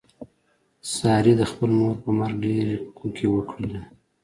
سارې د خپلې مور په مرګ ډېرې کوکې وکړلې.